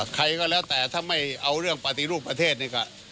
ใครก็แล้วแต่ถ้าไม่เอาเรื่องปฏิรูปประเทศนี่ก็